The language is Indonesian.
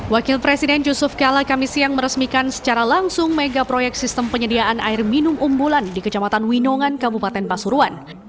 wakil presiden yusuf kala kamisiyang meresmikan secara langsung mega proyek sistem penyediaan air minum umbulan di kecamatan winongan kabupaten pasuruan